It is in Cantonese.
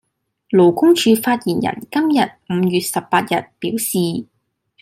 勞工處發言人今日（五月十八日）表示